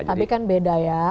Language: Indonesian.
tapi kan beda ya